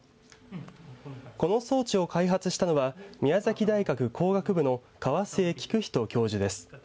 この装置を開発したのは宮崎大学工学部の川末紀功仁教授です。